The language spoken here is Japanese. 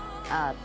ああ。